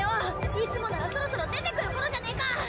いつもならそろそろ出てくる頃じゃねえか！